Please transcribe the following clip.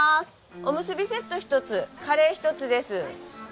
おむすびセット１つカレー１つです。